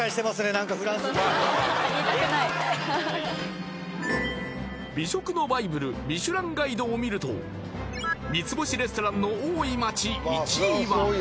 何かフランスのこと美食のバイブルミシュランガイドを見ると三つ星レストランの多い街１位は何と東京！